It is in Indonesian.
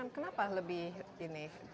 kenapa lebih ini